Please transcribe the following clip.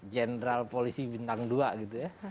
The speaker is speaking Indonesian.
jenderal polisi bintang dua gitu ya